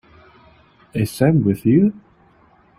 Is Sam with you?